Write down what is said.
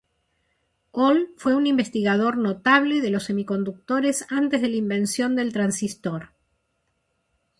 Ohl fue un investigador notable de los semiconductores antes de la invención del transistor.